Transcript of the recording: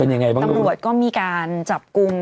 เป็นอย่างไรบ้างครับผมตำรวจก็มีการจับกลุ่ม